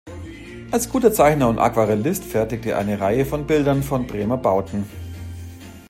Als guter Zeichner und Aquarellist fertigte er eine Reihe von Bildern von Bremer Bauten.